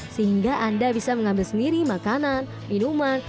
sehingga anda bisa mengambil sendiri makanan minuman